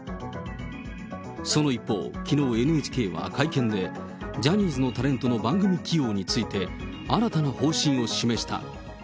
その一方、きのうＮＨＫは会見で、ジャニーズのタレントの番組起用について、新たな方針を示した。